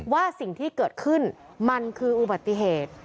ว่าสิ่งที่เกิดขึ้นมันคืออุบัติเหตุ